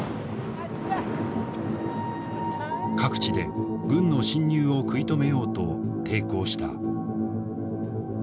各地で軍の侵入を食い止めようと抵抗した。